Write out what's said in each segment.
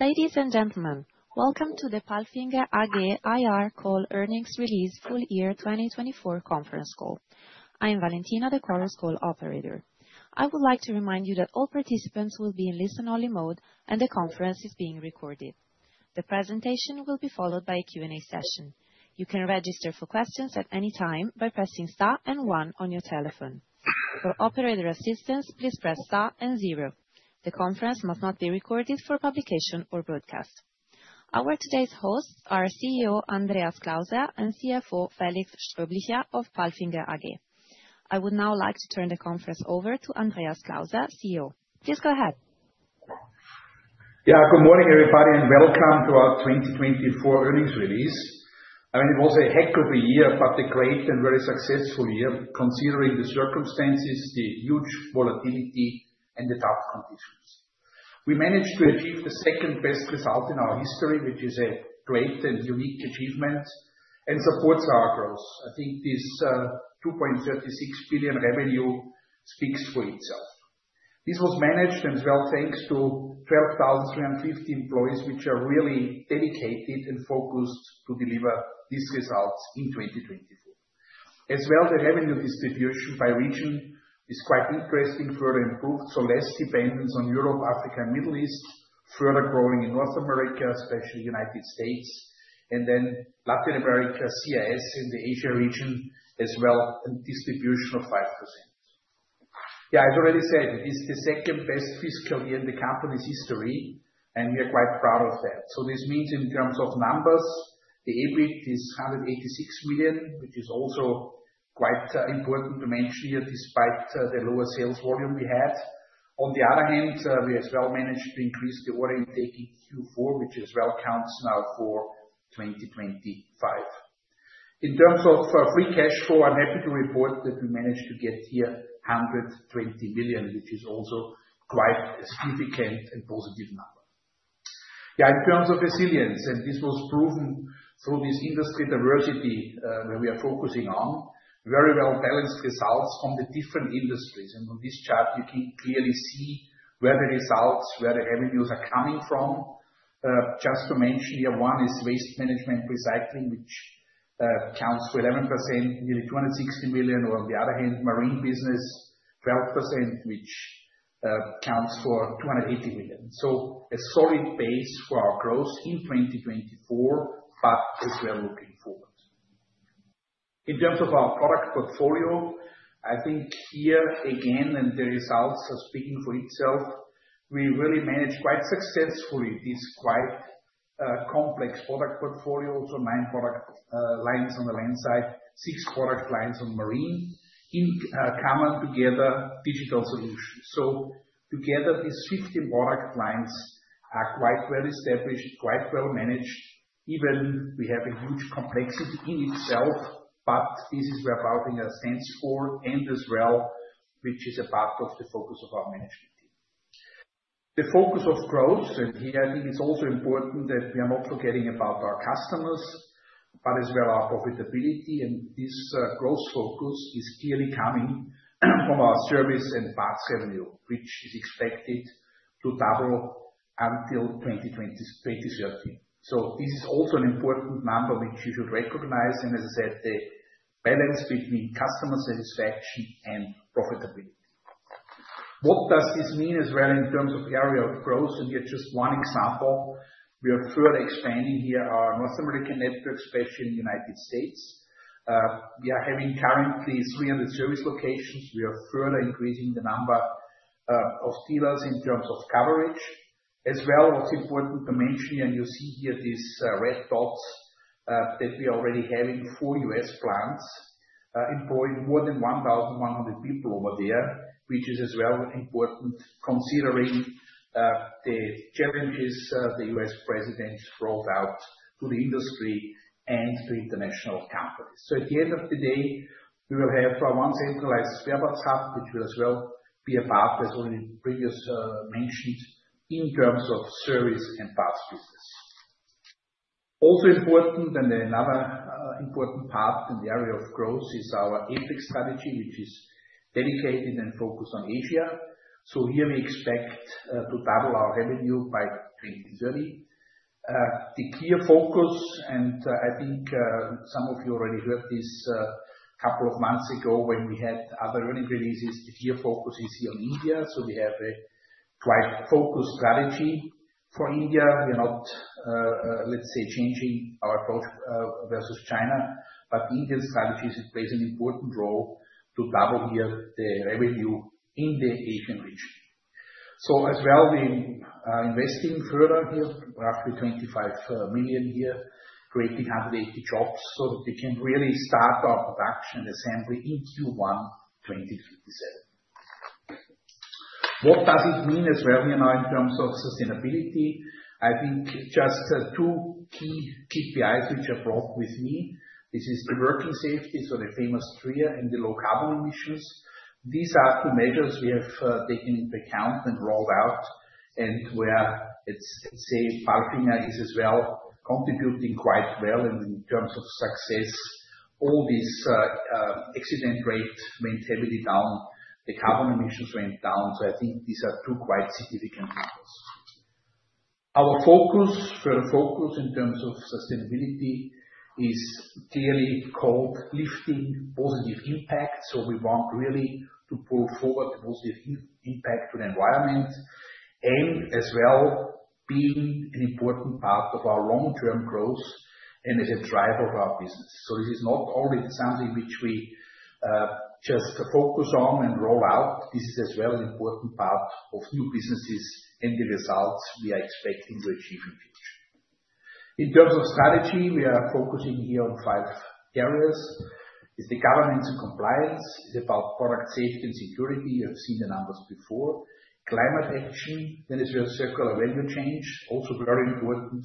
Ladies and gentlemen, welcome to the Palfinger AG Earnings Release Full-Year 2024 Conference Call. I am Valentina, the conference call operator. I would like to remind you that all participants will be in listen-only mode and the conference is being recorded. The presentation will be followed by a Q&A session. You can register for questions at any time by pressing star and one on your telephone. For operator assistance, please press star and zero. The conference must not be recorded for publication or broadcast. Our today's hosts are CEO Andreas Klauser and CFO Felix Strohbichler of Palfinger AG. I would now like to turn the conference over to Andreas Klauser, CEO. Please go ahead. Yeah, good morning everybody and welcome to our 2024 earnings release. I mean, it was a heck of a year, but a great and very successful year considering the circumstances, the huge volatility, and the tough conditions. We managed to achieve the second best result in our history, which is a great and unique achievement and supports our growth. I think this 2.36 billion revenue speaks for itself. This was managed as well thanks to 12,350 employees, which are really dedicated and focused to deliver these results in 2024. As well, the revenue distribution by region is quite interesting, further improved. So less dependence on Europe, Africa, and the Middle East, further growing in North America, especially the United States, and then Latin America, CIS, and the Asia region as well, in distribution of 5%. Yeah, as I already said, it is the second best fiscal year in the company's history, and we are quite proud of that. This means in terms of numbers, the EBIT is 186 million, which is also quite important to mention here despite the lower sales volume we had. On the other hand, we as well managed to increase the order intake in Q4, which as well counts now for 2025. In terms of free cash flow, I'm happy to report that we managed to get here 120 million, which is also quite a significant and positive number. Yeah, in terms of resilience, and this was proven through this industry diversity that we are focusing on, very well-balanced results from the different industries. On this chart, you can clearly see where the results, where the revenues are coming from. Just to mention here, one is waste management recycling, which counts for 11%, nearly 260 million. On the other hand, marine business, 12%, which counts for 280 million. A solid base for our growth in 2024, but as well looking forward. In terms of our product portfolio, I think here again, and the results are speaking for itself, we really managed quite successfully this quite complex product portfolio. Nine product lines on the land side, six product lines on marine, in common together digital solutions. Together, these 15 product lines are quite well established, quite well managed. Even we have a huge complexity in itself, but this is where we are building a sense for and as well, which is a part of the focus of our management team. The focus of growth, and here I think it's also important that we are not forgetting about our customers, but as well our profitability. This growth focus is clearly coming from our service and parts revenue, which is expected to double until 2030. This is also an important number, which you should recognize. As I said, the balance between customer satisfaction and profitability. What does this mean as well in terms of area of growth? Here's just one example. We are further expanding here our North American network, especially in the United States. We are having currently 300 service locations. We are further increasing the number of dealers in terms of coverage. As well, what's important to mention here, and you see here these red dots that we are already having four U.S. plants, employing more than 1,100 people over there, which is as well important considering the challenges the U.S. President throws out to the industry and to international companies. At the end of the day, we will have one centralized spare parts hub, which will as well be a part, as already previously mentioned, in terms of service and parts business. Also important and another important part in the area of growth is our APAC strategy, which is dedicated and focused on Asia. Here we expect to double our revenue by 2030. The key focus, and I think some of you already heard this a couple of months ago when we had other earnings releases, the key focus is here in India. We have a quite focused strategy for India. We are not, let's say, changing our approach versus China, but Indian strategies play an important role to double here the revenue in the Asian region. As well, we are investing further here, roughly 25 million, creating 180 jobs so that we can really start our production assembly in Q1 2027. What does it mean as well here now in terms of sustainability? I think just two key KPIs which are brought with me. This is the working safety, so the famous TRIR, and the low carbon emissions. These are two measures we have taken into account and rolled out, and where I'd say Palfinger is as well contributing quite well in terms of success. All these accident rate went heavily down, the carbon emissions went down. I think these are two quite significant numbers. Our focus, further focus in terms of sustainability, is clearly called lifting positive impact. We want really to pull forward positive impact to the environment and as well being an important part of our long-term growth and as a driver of our business. This is not only something which we just focus on and roll out. This is as well an important part of new businesses and the results we are expecting to achieve in the future. In terms of strategy, we are focusing here on five areas. It is the governance and compliance. It is about product safety and security. You have seen the numbers before. Climate action, then as well circular value chains, also very important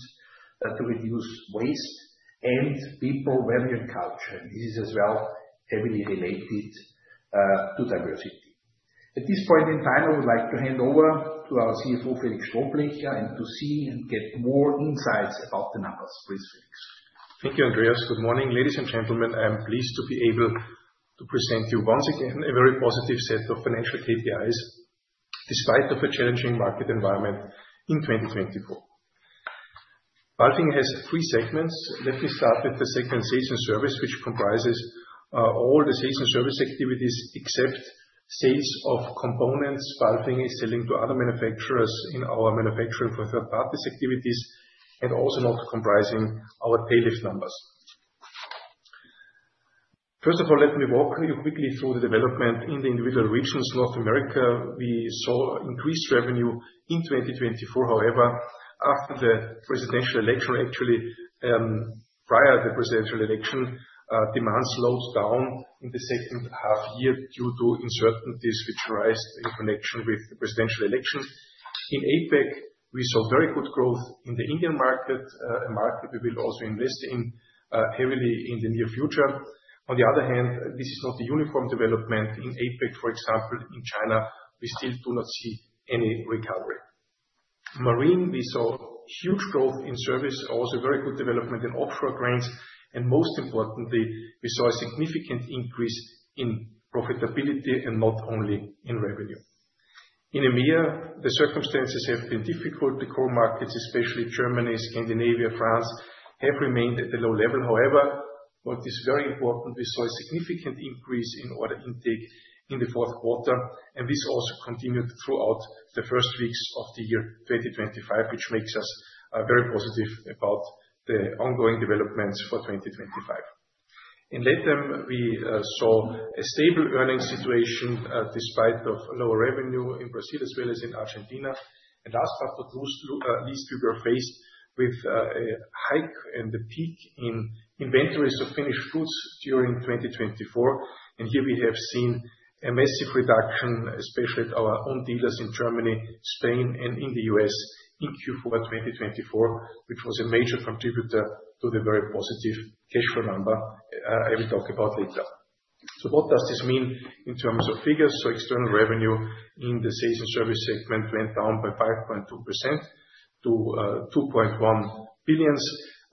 to reduce waste and people, value, and culture. This is as well heavily related to diversity. At this point in time, I would like to hand over to our CFO, Felix Strohbichler, and to see and get more insights about the numbers. Please, Felix. Thank you, Andreas. Good morning, ladies and gentlemen. I am pleased to be able to present you once again a very positive set of financial KPIs despite the challenging market environment in 2024. Palfinger has three segments. Let me start with the segment sales and service, which comprises all the sales and service activities except sales of components Palfinger is selling to other manufacturers in our manufacturing for third-party activities and also not comprising our tail lift numbers. First of all, let me walk you quickly through the development in the individual regions. North America, we saw increased revenue in 2024. However, after the Presidential election, actually prior to the Presidential election, demand slowed down in the second half year due to uncertainties which arised in connection with the Presidential election. In APAC, we saw very good growth in the Indian market, a market we will also invest in heavily in the near future. On the other hand, this is not a uniform development. In APAC, for example, in China, we still do not see any recovery. Marine, we saw huge growth in service, also very good development in offshore cranes. Most importantly, we saw a significant increase in profitability and not only in revenue. In EMEA, the circumstances have been difficult. The core markets, especially Germany, Scandinavia, France, have remained at a low level. However, what is very important, we saw a significant increase in order intake in the fourth quarter. This also continued throughout the first weeks of the year 2025, which makes us very positive about the ongoing developments for 2025. In LATAM, we saw a stable earnings situation despite lower revenue in Brazil as well as in Argentina. Last but not least, at least we were faced with a hike and a peak in inventories of finished goods during 2024. Here we have seen a massive reduction, especially at our own dealers in Germany, Spain, and in the U.S. in Q4 2024, which was a major contributor to the very positive cash flow number I will talk about later. What does this mean in terms of figures? External revenue in the sales and service segment went down by 5.2% to 2.1 billion.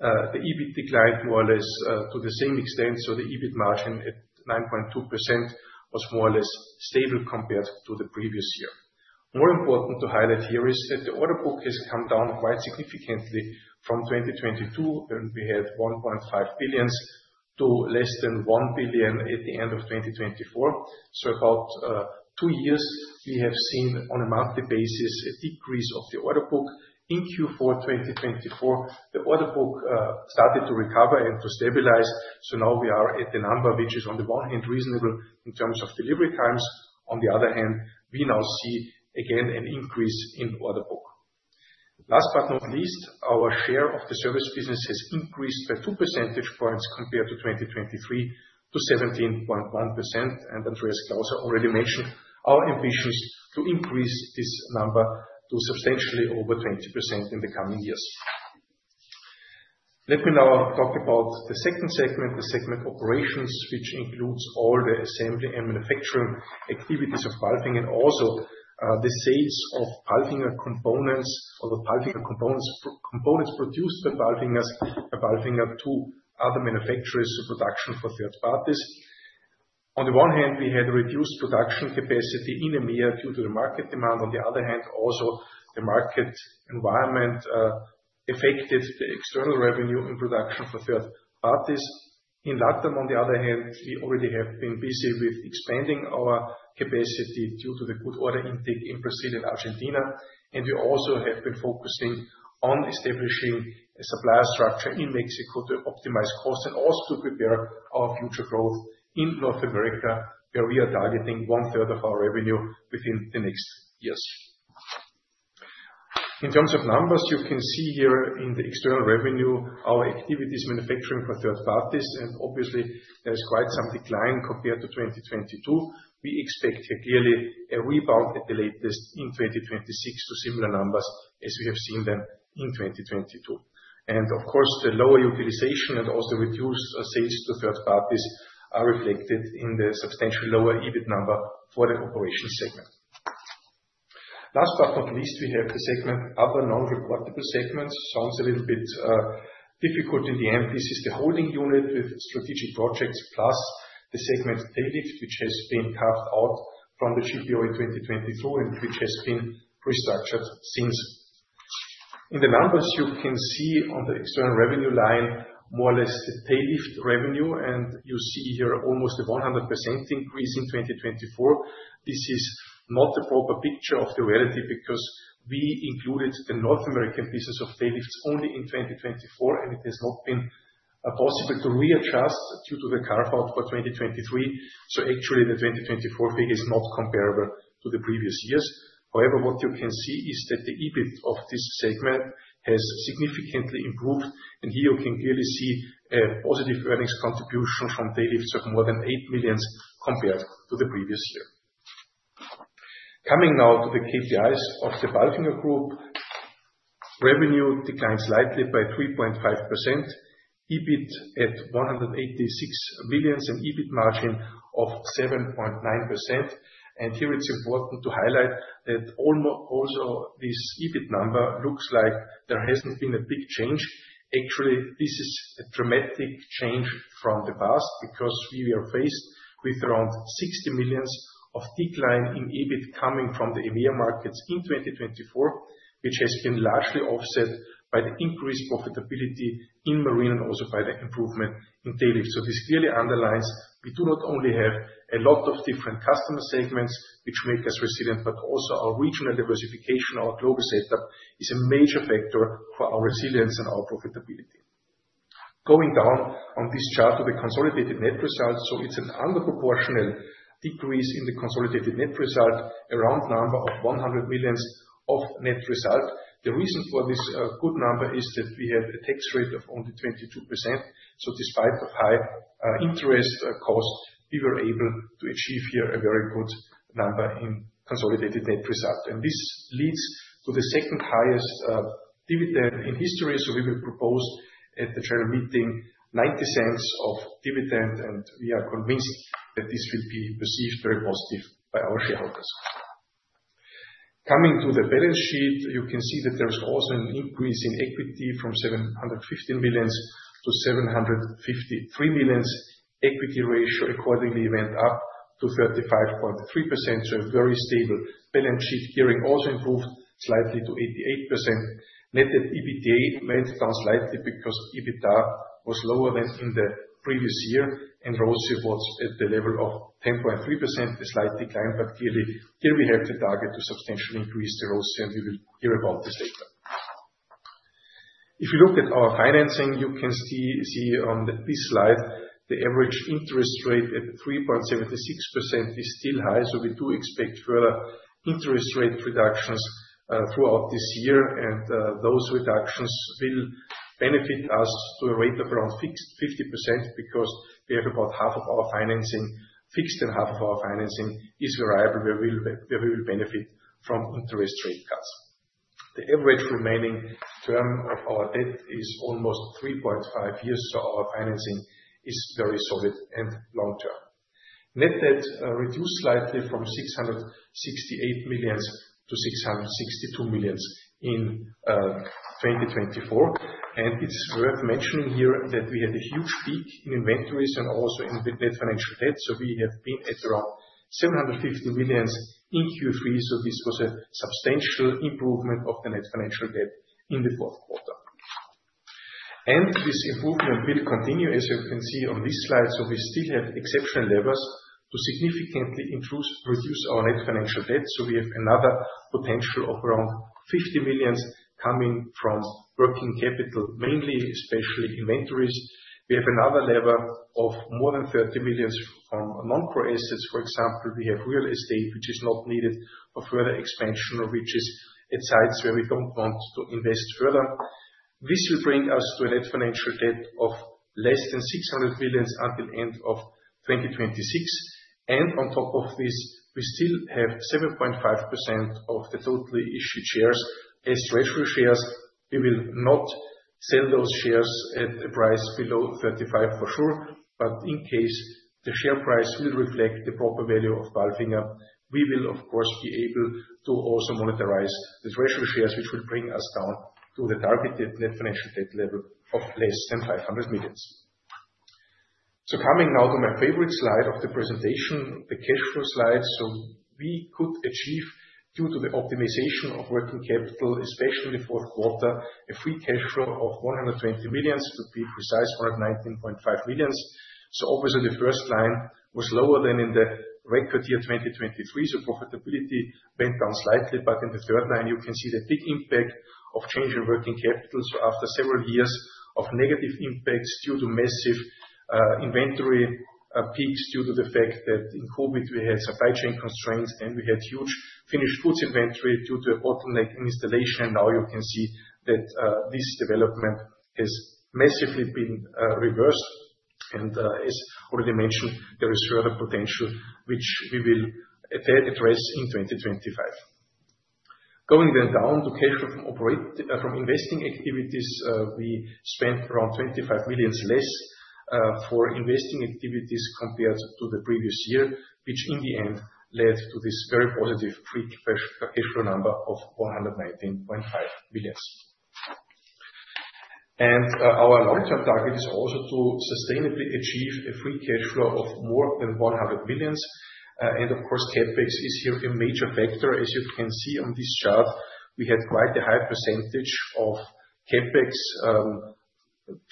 The EBIT declined more or less to the same extent. The EBIT margin at 9.2% was more or less stable compared to the previous year. More important to highlight here is that the order book has come down quite significantly from 2022, when we had 1.5 billion to less than 1 billion at the end of 2024. About two years, we have seen on a monthly basis a decrease of the order book. In Q4 2024, the order book started to recover and to stabilize. Now we are at the number which is on the one hand reasonable in terms of delivery times. On the other hand, we now see again an increase in order book. Last but not least, our share of the service business has increased by two percentage points compared to 2023 to 17.1%. Andreas Klauser already mentioned our ambitions to increase this number to substantially over 20% in the coming years. Let me now talk about the second segment, the segment operations, which includes all the assembly and manufacturing activities of Palfinger and also the sales of Palfinger components or the Palfinger components produced by Palfinger to other manufacturers and production for third parties. On the one hand, we had reduced production capacity in EMEA due to the market demand. On the other hand, also the market environment affected the external revenue in production for third parties. In LATAM, on the other hand, we already have been busy with expanding our capacity due to the good order intake in Brazil and Argentina. We also have been focusing on establishing a supplier structure in Mexico to optimize costs and also to prepare our future growth in North America, where we are targeting 1/3 of our revenue within the next years. In terms of numbers, you can see here in the external revenue, our activities manufacturing for third parties. Obviously, there is quite some decline compared to 2022. We expect here clearly a rebound at the latest in 2026 to similar numbers as we have seen them in 2022. Of course, the lower utilization and also reduced sales to third parties are reflected in the substantially lower EBIT number for the operation segment. Last but not least, we have the segment other non-reportable segments. Sounds a little bit difficult in the end. This is the holding unit with strategic projects plus the segment tail lifts, which has been carved out from the GPO in 2024 and which has been restructured since. In the numbers, you can see on the external revenue line, more or less the tail lift revenue. You see here almost a 100% increase in 2024. This is not a proper picture of the reality because we included the North American business of tail lifts only in 2024, and it has not been possible to readjust due to the carve-out for 2023. Actually, the 2024 figure is not comparable to the previous years. However, what you can see is that the EBIT of this segment has significantly improved. You can clearly see a positive earnings contribution from tail lifts of more than 8 million compared to the previous year. Coming now to the KPIs of the Palfinger Group, revenue declined slightly by 3.5%, EBIT at 186 million, and EBIT margin of 7.9%. It is important to highlight that also this EBIT number looks like there has not been a big change. Actually, this is a dramatic change from the past because we are faced with around 60 million of decline in EBIT coming from the EMEA markets in 2024, which has been largely offset by the increased profitability in marine and also by the improvement in tail lifts. This clearly underlines we do not only have a lot of different customer segments which make us resilient, but also our regional diversification, our global setup is a major factor for our resilience and our profitability. Going down on this chart to the consolidated net result, it is an underproportional decrease in the consolidated net result, around 100 million of net result. The reason for this good number is that we have a tax rate of only 22%. Despite high interest cost, we were able to achieve here a very good number in consolidated net result. This leads to the second highest dividend in history. We will propose at the general meeting 0.90 of dividend, and we are convinced that this will be perceived very positive by our shareholders. Coming to the balance sheet, you can see that there is also an increase in equity from 715 million to 753 million. Equity ratio accordingly went up to 35.3%. A very stable balance sheet gearing also improved slightly to 88%. Netted EBITDA went down slightly because EBITDA was lower than in the previous year and ROCE was at the level of 10.3%, a slight decline. Clearly, here we have to target to substantially increase the ROCE, and we will hear about this later. If you look at our financing, you can see on this slide the average interest rate at 3.76% is still high. We do expect further interest rate reductions throughout this year. Those reductions will benefit us to a rate of around 50% because we have about half of our financing fixed and half of our financing is variable where we will benefit from interest rate cuts. The average remaining term of our debt is almost 3.5 years. Our financing is very solid and long-term. Net debt reduced slightly from 668 million to 662 million in 2024. It is worth mentioning here that we had a huge peak in inventories and also in net financial debt. We have been at around 750 million in Q3. This was a substantial improvement of the net financial debt in the fourth quarter. This improvement will continue, as you can see on this slide. We still have exceptional levers to significantly reduce our net financial debt. We have another potential of around 50 million coming from working capital, mainly especially inventories. We have another lever of more than 30 million from non-core assets. For example, we have real estate, which is not needed for further expansion, which is at sites where we do not want to invest further. This will bring us to a net financial debt of less than 600 million until the end of 2026. On top of this, we still have 7.5% of the totally issued shares as treasury shares. We will not sell those shares at a price below 35 for sure. In case the share price will reflect the proper value of Palfinger, we will, of course, be able to also monetize the treasury shares, which will bring us down to the targeted net financial debt level of less than 500 million. Coming now to my favorite slide of the presentation, the cash flow slide. We could achieve, due to the optimization of working capital, especially in the fourth quarter, a free cash flow of 120 million, to be precise 119.5 million. Obviously, the first line was lower than in the record year 2023. Profitability went down slightly. In the third line, you can see the big impact of change in working capital. After several years of negative impacts due to massive inventory peaks, due to the fact that in COVID we had supply chain constraints and we had huge finished goods inventory due to a bottleneck in installation, you can see that this development has massively been reversed. As already mentioned, there is further potential, which we will address in 2025. Going then down to cash flow from investing activities, we spent around 25 million less for investing activities compared to the previous year, which in the end led to this very positive free cash flow number of 119.5 million. Our long-term target is also to sustainably achieve a free cash flow of more than 100 million. Of course, CapEx is here a major factor. As you can see on this chart, we had quite a high percentage of CapEx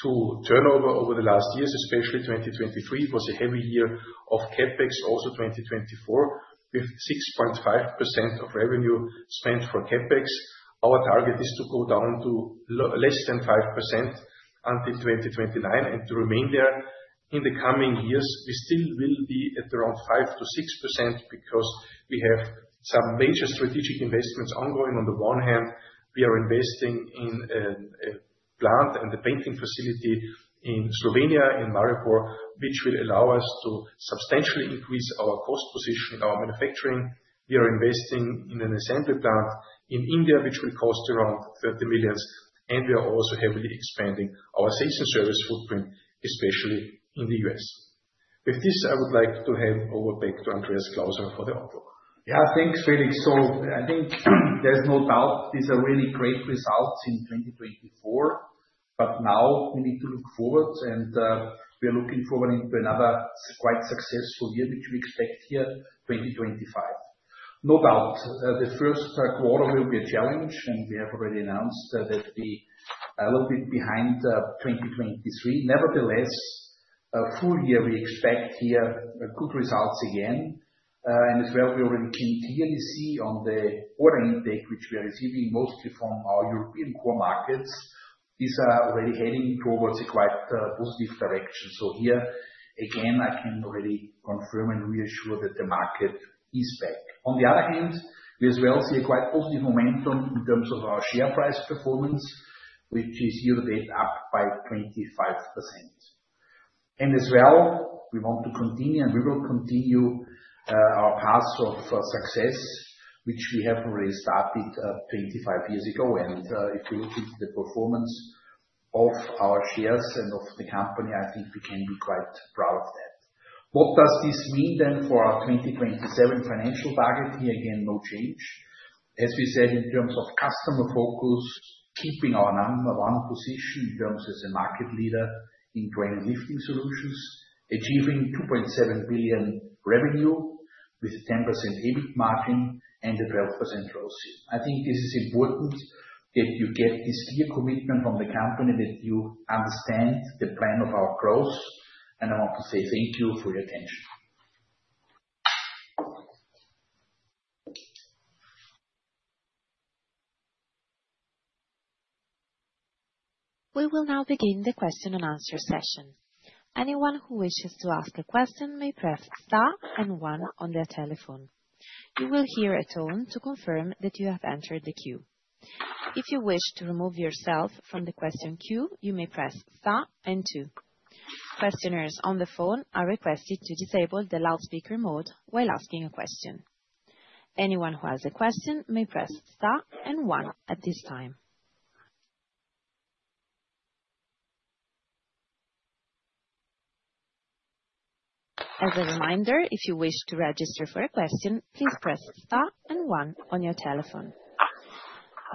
to turnover over the last years, especially 2023. It was a heavy year of CapEx, also 2024, with 6.5% of revenue spent for CapEx. Our target is to go down to less than 5% until 2029 and to remain there. In the coming years, we still will be at around 5%-6% because we have some major strategic investments ongoing. On the one hand, we are investing in a plant and a painting facility in Slovenia, in Maribor, which will allow us to substantially increase our cost position in our manufacturing. We are investing in an assembly plant in India, which will cost around 30 million. We are also heavily expanding our sales and service footprint, especially in the U.S. With this, I would like to hand over back to Andreas Klauser for the outlook. Yeah, thanks, Felix. I think there's no doubt these are really great results in 2024. Now we need to look forward, and we are looking forward into another quite successful year, which we expect here, 2025. No doubt, the first quarter will be a challenge, and we have already announced that we are a little bit behind 2023. Nevertheless, a full year we expect here good results again. We already can clearly see on the order intake, which we are receiving mostly from our European core markets, these are already heading towards a quite positive direction. Here, again, I can already confirm and reassure that the market is back. On the other hand, we as well see a quite positive momentum in terms of our share price performance, which is year-to-date up by 25%. We want to continue and we will continue our path of success, which we have already started 25 years ago. If we look into the performance of our shares and of the company, I think we can be quite proud of that. What does this mean then for our 2027 financial target? Here again, no change. As we said, in terms of customer focus, keeping our number one position in terms as a market leader in crane and lifting solutions, achieving 2.7 billion revenue with a 10% EBIT margin and a 12% ROCE. I think this is important that you get this clear commitment from the company that you understand the plan of our growth. I want to say thank you for your attention. We will now begin the question-and-answer session. Anyone who wishes to ask a question may press star and one on their telephone. You will hear a tone to confirm that you have entered the queue. If you wish to remove yourself from the question queue, you may press star and two. Questioners on the phone are requested to disable the loudspeaker mode while asking a question. Anyone who has a question may press star and one at this time. As a reminder, if you wish to register for a question, please press star and one on your telephone.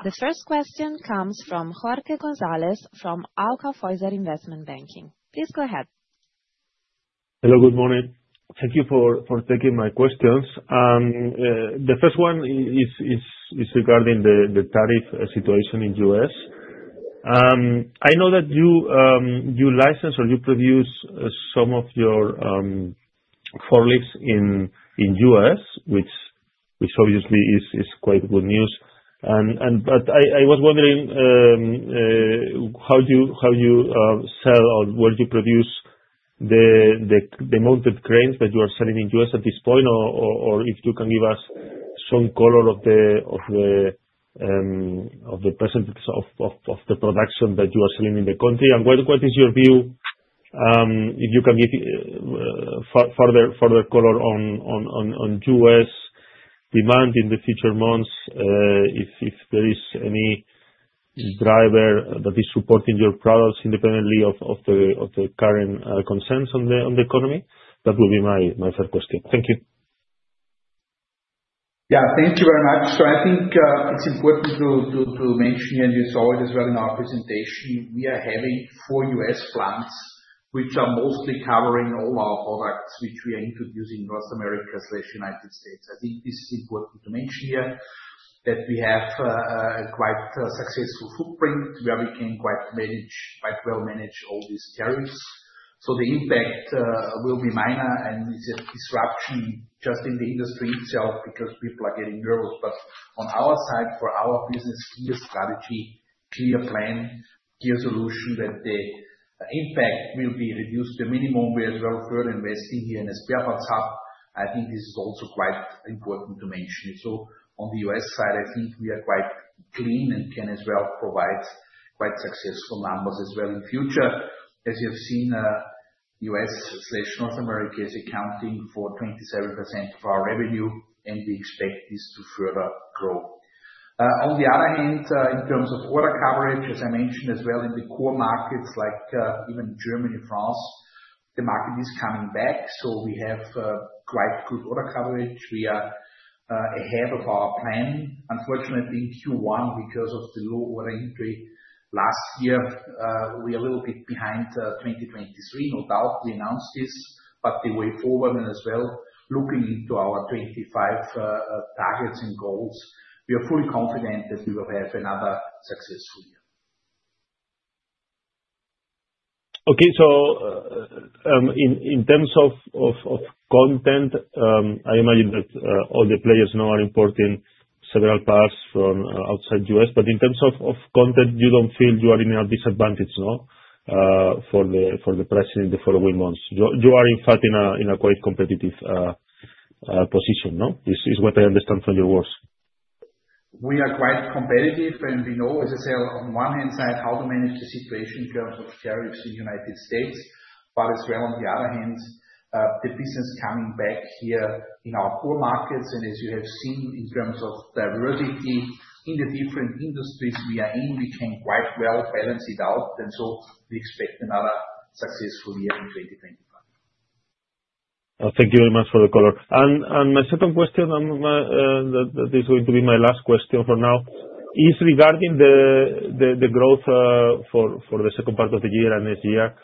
The first question comes from Jorge González from Hauck Aufhäuser Lampe Investment Banking. Please go ahead. Hello, good morning. Thank you for taking my questions. The first one is regarding the tariff situation in the U.S. I know that you license or you produce some of your forklifts in the U.S., which obviously is quite good news. I was wondering how you sell or where you produce the mounted cranes that you are selling in the U.S. at this point, or if you can give us some color of the percentage of the production that you are selling in the country. What is your view, if you can give further color on U.S. demand in the future months, if there is any driver that is supporting your products independently of the current concerns on the economy? That will be my first question. Thank you. Thank you very much. I think it is important to mention, and you saw it as well in our presentation, we are having four U.S. plants which are mostly covering all our products which we are introducing in North America/United States. I think this is important to mention here that we have a quite successful footprint where we can quite well manage all these tariffs. The impact will be minor and is a disruption just in the industry itself because people are getting nervous. On our side, for our business, clear strategy, clear plan, clear solution, that the impact will be reduced to a minimum. We are as well further investing here in a spare parts hub. I think this is also quite important to mention. On the U.S. side, I think we are quite clean and can as well provide quite successful numbers as well in future. As you have seen, U.S./North America is accounting for 27% of our revenue, and we expect this to further grow. On the other hand, in terms of order coverage, as I mentioned as well in the core markets like even Germany, France, the market is coming back. We have quite good order coverage. We are ahead of our plan. Unfortunately, in Q1, because of the low order intake last year, we are a little bit behind 2023. No doubt we announced this. The way forward and as well looking into our 2025 targets and goals, we are fully confident that we will have another successful year. In terms of content, I imagine that all the players now are importing several parts from outside the U.S. In terms of content, you do not feel you are at a disadvantage for the pricing in the following months. You are, in fact, in a quite competitive position, is what I understand from your words. We are quite competitive, and we know, as I said, on one hand side, how to manage the situation in terms of tariffs in the United States. As well, on the other hand, the business coming back here in our core markets. As you have seen, in terms of diversity in the different industries we are in, we can quite well balance it out. We expect another successful year in 2025. Thank you very much for the color. My second question, that is going to be my last question for now, is regarding the growth for the second part of the year and next year.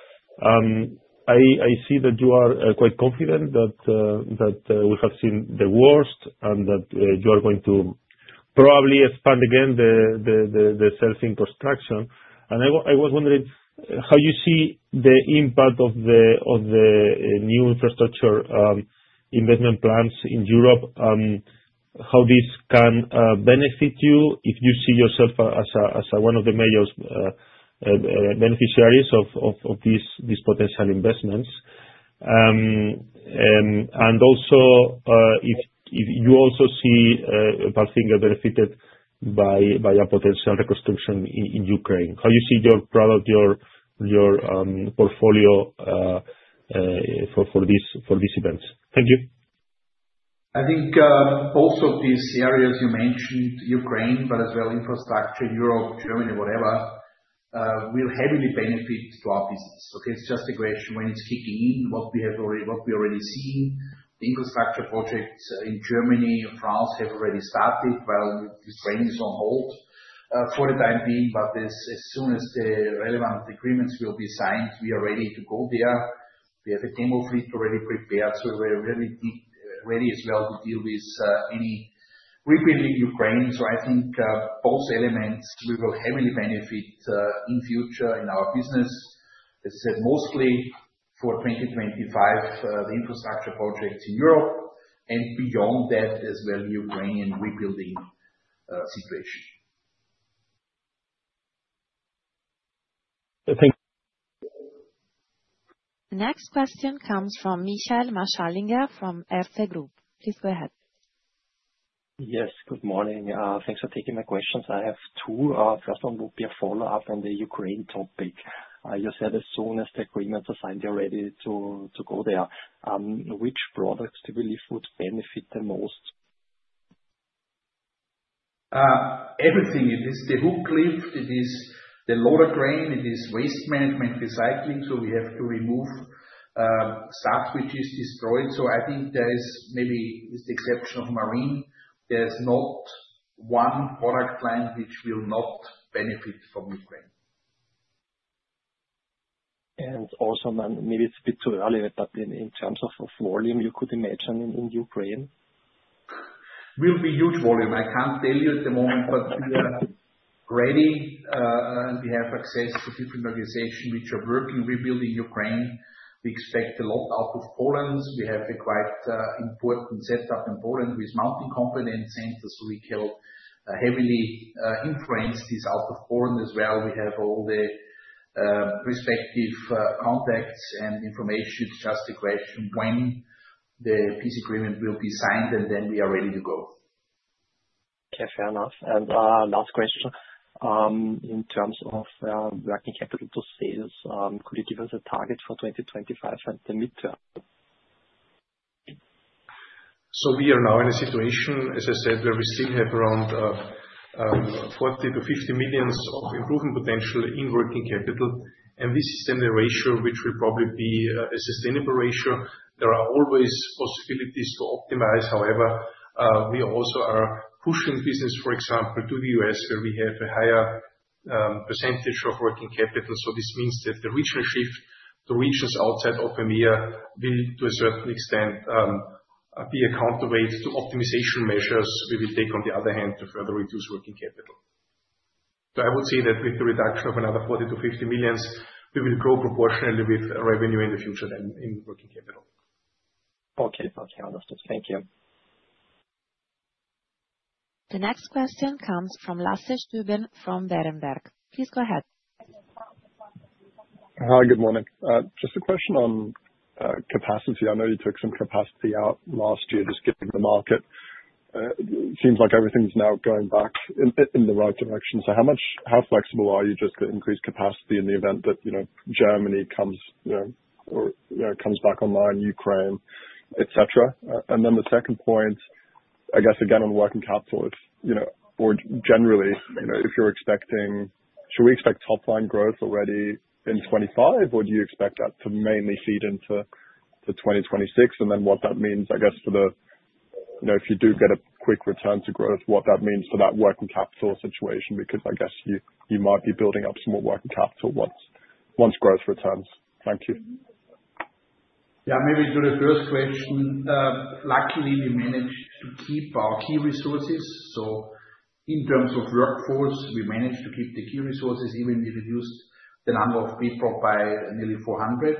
I see that you are quite confident that we have seen the worst and that you are going to probably expand again the sales in construction. I was wondering how you see the impact of the new infrastructure investment plans in Europe, how this can benefit you, if you see yourself as one of the major beneficiaries of these potential investments. Also, if you also see Palfinger benefited by a potential reconstruction in Ukraine, how you see your product, your portfolio for these events. Thank you. I think also these areas you mentioned, Ukraine, but as well infrastructure, Europe, Germany, whatever, will heavily benefit to our business. Okay, it's just a question when it's kicking in, what we have already seen. The infrastructure projects in Germany and France have already started. Ukraine is on hold for the time being, but as soon as the relevant agreements will be signed, we are ready to go there. We have a demo fleet already prepared. We are really ready as well to deal with any rebuilding Ukraine. I think both elements, we will heavily benefit in future in our business. As I said, mostly for 2025, the infrastructure projects in Europe and beyond that, as well Ukrainian rebuilding situation. Thank you. Next question comes from Michael Marschallinger from Erste Group. Please go ahead. Yes, good morning. Thanks for taking my questions. I have two. First one would be a follow-up on the Ukraine topic. You said as soon as the agreements are signed, you're ready to go there. Which products do you believe would benefit the most? Everything. It is the hooklift. It is the loader crane. It is waste management, recycling. We have to remove stuff which is destroyed. I think there is maybe with the exception of marine, there's not one product line which will not benefit from Ukraine. Also, maybe it's a bit too early, but in terms of volume, you could imagine in Ukraine? Will be huge volume. I can't tell you at the moment, but we are ready. We have access to different organizations which are working rebuilding Ukraine. We expect a lot out of Poland. We have a quite important setup in Poland with mounting component centers. We can heavily influence this out of Poland as well. We have all the respective contacts and information. It's just a question when the peace agreement will be signed, and then we are ready to go. Okay, fair enough. Last question, in terms of working capital to sales, could you give us a target for 2025 and the midterm? We are now in a situation, as I said, where we still have around 40 million-50 million of improvement potential in working capital. This is then the ratio which will probably be a sustainable ratio. There are always possibilities to optimize. However, we also are pushing business, for example, to the U.S., where we have a higher percentage of working capital. This means that the regional shift, the regions outside of EMEA will, to a certain extent, be a counterweight to optimization measures we will take on the other hand to further reduce working capital. I would say that with the reduction of another 40 million-50 million, we will grow proportionally with revenue in the future in working capital. Okay, okay. Understood. Thank you. The next question comes from Lasse Stüben from Berenberg. Please go ahead. Hi, good morning. Just a question on capacity. I know you took some capacity out last year just getting the market. It seems like everything's now going back in the right direction. How flexible are you just to increase capacity in the event that Germany comes back online, Ukraine, etc.? The second point, I guess, again, on working capital or generally, if you're expecting, should we expect top-line growth already in 2025, or do you expect that to mainly feed into 2026? What that means, I guess, for the, if you do get a quick return to growth, what that means for that working capital situation, because I guess you might be building up some more working capital once growth returns. Thank you. Maybe to the first question, luckily, we managed to keep our key resources. In terms of workforce, we managed to keep the key resources even if we reduced the number of people by nearly 400.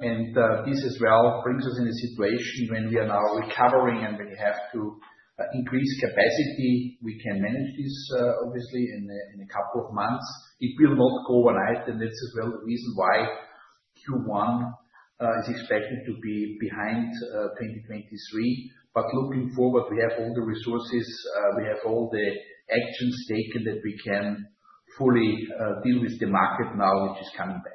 This as well brings us in a situation when we are now recovering and when we have to increase capacity. We can manage this, obviously, in a couple of months. It will not go overnight. That is as well the reason why Q1 is expected to be behind 2023. Looking forward, we have all the resources. We have all the actions taken that we can fully deal with the market now, which is coming back.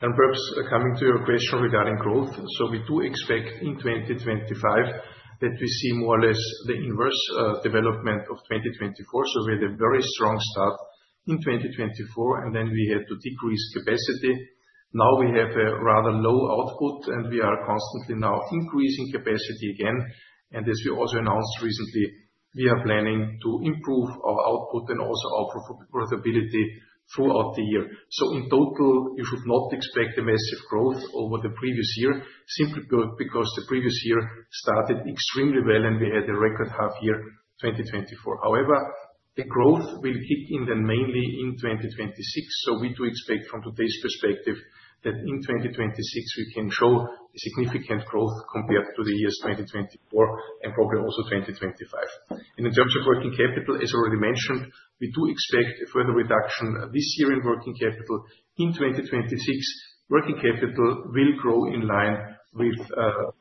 Perhaps coming to your question regarding growth, we do expect in 2025 that we see more or less the inverse development of 2024. We had a very strong start in 2024, and then we had to decrease capacity. Now we have a rather low output, and we are constantly now increasing capacity again. As we also announced recently, we are planning to improve our output and also our profitability throughout the year. In total, you should not expect a massive growth over the previous year, simply because the previous year started extremely well, and we had a record half-year 2024. However, the growth will kick in then mainly in 2026. We do expect from today's perspective that in 2026, we can show significant growth compared to the years 2024 and probably also 2025. In terms of working capital, as already mentioned, we do expect a further reduction this year in working capital. In 2026, working capital will grow in line with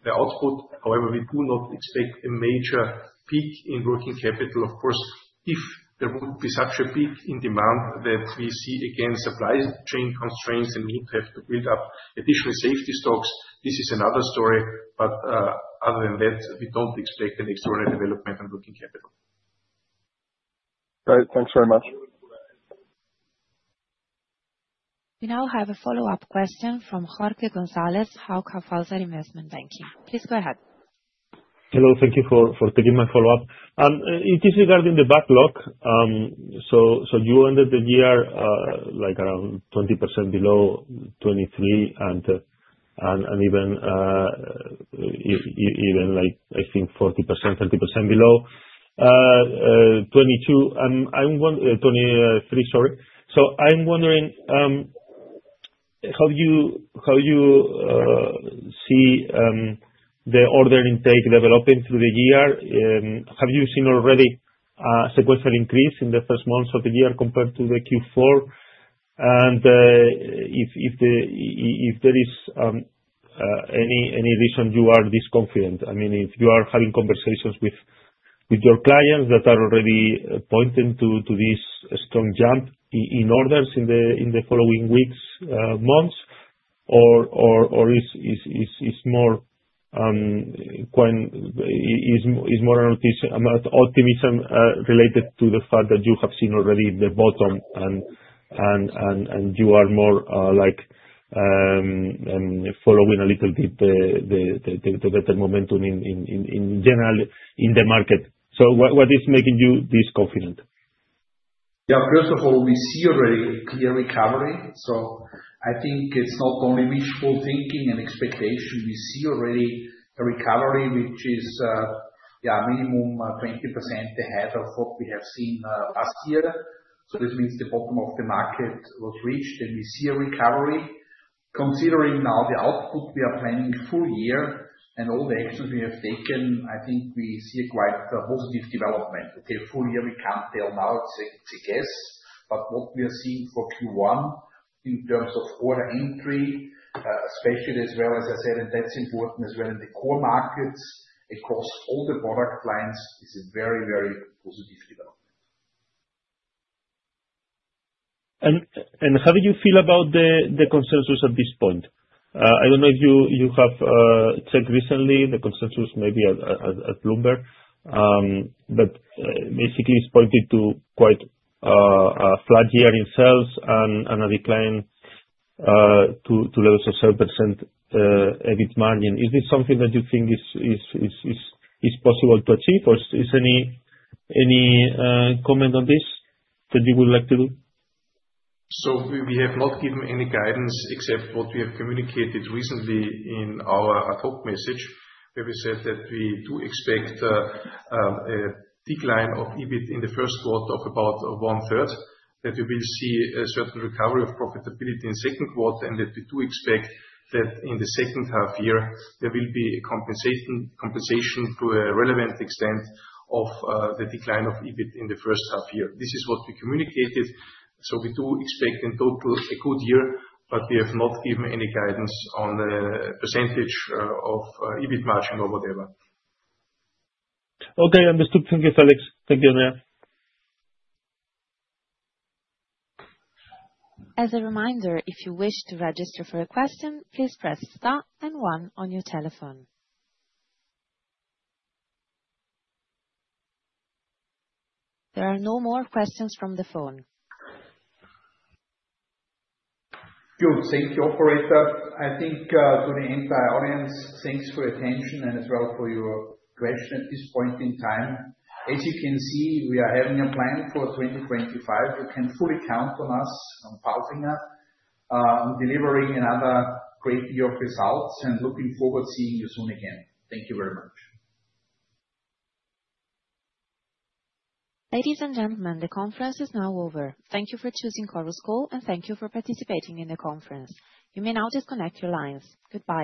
the output. We do not expect a major peak in working capital. Of course, if there would be such a peak in demand that we see again supply chain constraints and need to have to build up additional safety stocks, this is another story. Other than that, we do not expect an extraordinary development in working capital. All right. Thanks very much. We now have a follow-up question from Jorge González, Hauck Aufhäuser Investment Banking. Please go ahead. Hello. Thank you for taking my follow-up. It is regarding the backlog. You ended the year like around 20% below 2023 and even like, I think, 40%, 30% below 2022 and 2023, sorry. I am wondering how you see the order intake developing through the year. Have you seen already a sequential increase in the first months of the year compared to the Q4? If there is any reason you are this confident, I mean, if you are having conversations with your clients that are already pointing to this strong jump in orders in the following weeks, months, or is it more an optimism related to the fact that you have seen already the bottom and you are more like following a little bit the better momentum in general in the market? What is making you this confident? Yeah. First of all, we see already clear recovery. I think it is not only wishful thinking and expectation. We see already a recovery, which is, yeah, minimum 20% ahead of what we have seen last year. This means the bottom of the market was reached, and we see a recovery. Considering now the output, we are planning full year and all the actions we have taken, I think we see quite a positive development. Okay, full year, we can't tell now, it's a guess. What we are seeing for Q1 in terms of order entry, especially as well, as I said, and that's important as well in the core markets across all the product lines, is a very, very positive development. How do you feel about the consensus at this point? I don't know if you have checked recently the consensus, maybe at Bloomberg, but basically, it's pointed to quite a flat year in sales and a decline to levels of 7% EBIT margin. Is this something that you think is possible to achieve, or is there any comment on this that you would like to do? We have not given any guidance except what we have communicated recently in our ad hoc message, where we said that we do expect a decline of EBIT in the first quarter of about one-third, that we will see a certain recovery of profitability in the second quarter, and that we do expect that in the second half year, there will be compensation to a relevant extent of the decline of EBIT in the first half-year. This is what we communicated. We do expect in total a good year, but we have not given any guidance on the percentage of EBIT margin or whatever. Okay, understood. Thank you, Felix. Thank you, Andreas. As a reminder, if you wish to register for a question, please press star and one on your telephone. There are no more questions from the phone. Good. Thank you, operator. I think to the entire audience, thanks for your attention and as well for your question at this point in time. As you can see, we are having a plan for 2025. You can fully count on us, on Palfinger, on delivering another great year of results and looking forward to seeing you soon again. Thank you very much. Ladies and gentlemen, the conference is now over. Thank you for choosing Coruscal, and thank you for participating in the conference. You may now disconnect your lines. Goodbye.